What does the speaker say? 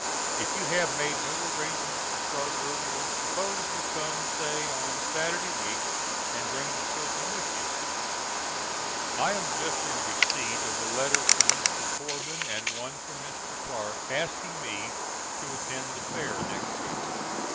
If you have made no arrangements to start earlier suppose you come say on Saturday week and bring the children with you. I am just in receipt of a letter from Mr. Corbin, and one from Mr. Clark, asking me to attend the Fair next week.